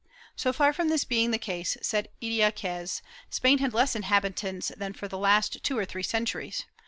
So far from this being the case, said Idiaquez, Spain had less inhabitants than for the last two or three centuries.